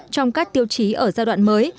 trong các tiêu chí ở giai đoạn mới